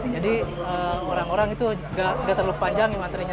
jadi orang orang itu tidak terlalu panjang materinya